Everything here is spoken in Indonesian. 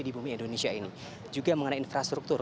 di bumi indonesia ini juga mengenai infrastruktur